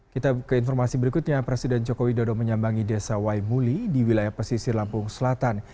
kita ke informasi berikutnya presiden joko widodo menyambangi desa waimuli di wilayah pesisir lampung selatan